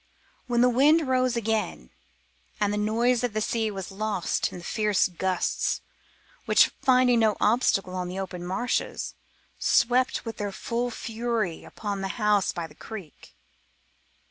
Then the wind rose again, and the noise of the sea was lost in the fierce gusts which, finding no obstacle on the open marshes, swept with their full fury upon the house by the creek.